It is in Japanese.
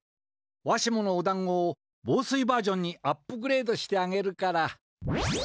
わしものおだんごをぼう水バージョンにアップグレードしてあげるから。